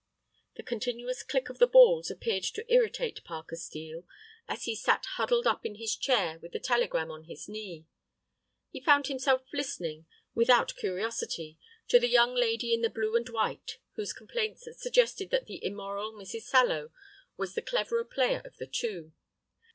The continuous click of the balls appeared to irritate Parker Steel, as he sat huddled up in his chair with the telegram on his knee. He found himself listening—without curiosity—to the young lady in the blue and white whose complaints suggested that the immoral Mrs. Sallow was the cleverer player of the two.